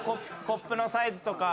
コップのサイズとか。